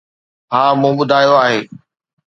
ھا مون ٻُڌايو آھي.